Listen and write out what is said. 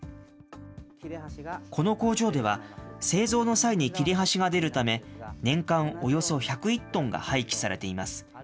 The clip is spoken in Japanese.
この工場では、製造の際に切れ端が出るため、年間およそ１０１トンが廃棄されています。